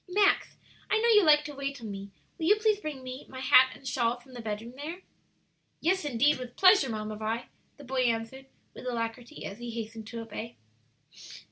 "Max, I know you like to wait on me; will you please bring my hat and shawl from the bedroom there?" "Yes, indeed, with pleasure, Mamma Vi," the boy answered, with alacrity, as he hastened to obey.